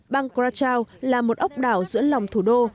bang kwa chau là một ốc đảo giữa lòng thủ đô